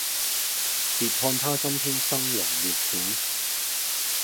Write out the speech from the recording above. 別看他今天生龍活虎